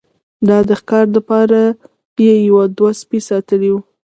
او د ښکار د پاره يې يو دوه سپي ساتلي وو